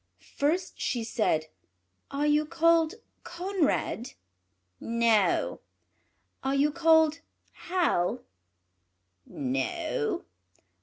First she said, "Are you called Conrade?" "No." "Are you called Hal?" "No."